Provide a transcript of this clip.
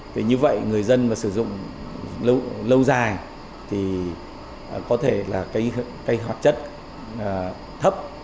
vì như vậy người dân mà sử dụng lâu dài thì có thể là cây hoạt chất thấp